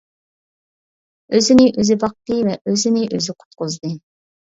ئۆزىنى ئۆزى باقتى ۋە ئۆزىنى ئۆزى قۇتقۇزدى.